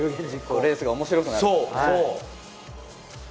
レースが面白くなって。